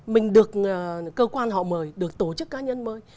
mình được cơ quan họ mời được tổ chức cá nhân mới